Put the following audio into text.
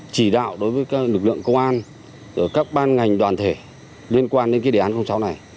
chỉ đạo đối với các lực lượng công an các ban ngành đoàn thể liên quan đến đề án sáu này